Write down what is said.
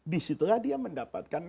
disitulah dia mendapatkan